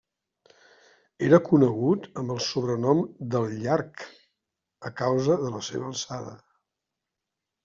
Era conegut amb el sobrenom del llarg, a causa de la seva alçada.